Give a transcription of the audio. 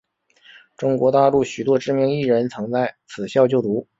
中国大陆许多知名艺人曾在此校就读。